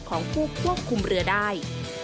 ของผู้ควบคุมเรือได้